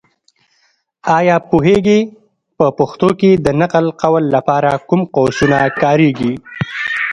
ایا پوهېږې؟ په پښتو کې د نقل قول لپاره کوم قوسونه کارېږي.